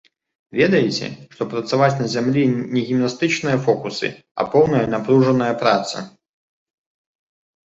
Ведаеце, што працаваць на зямлі не гімнастычныя фокусы, а поўная напружаная праца.